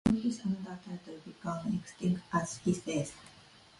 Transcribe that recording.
All his other titles became extinct at his death.